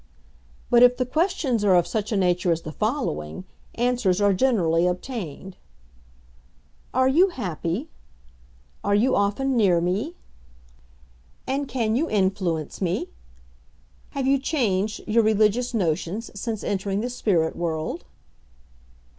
But if the questions are of such a nature as the following, answers are generally obtained: "Are you happy?" "Are you often near me?" "And can you influence me?" "Have you changed your religious notions since entering the spirit world?"